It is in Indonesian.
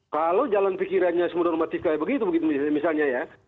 kalau jalan pikirannya semudah normatif kayak begitu misalnya ya